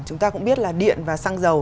chúng ta cũng biết là điện và xăng dầu